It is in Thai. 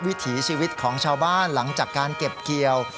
วิถีชีวิตของชาวบ้านหลังจากการเก็บเกี่ยว